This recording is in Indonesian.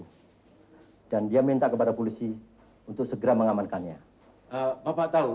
hai dan dia minta kepada polisi untuk segera mengamankannya refine tahu